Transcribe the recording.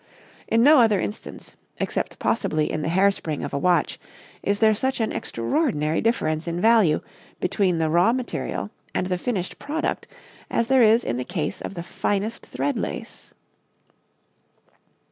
In no other instance, except possibly in the hairspring of a watch, is there such an extraordinary difference in value between the raw material and the finished product as there is in the case of the finest thread lace.